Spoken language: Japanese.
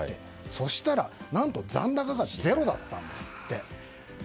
そしたら、何と残高が０だったんですって。